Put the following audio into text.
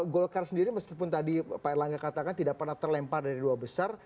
golkar sendiri meskipun tadi pak erlangga katakan tidak pernah terlempar dari dua besar